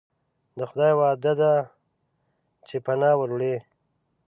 د خدای وعده ده چې پناه وروړي.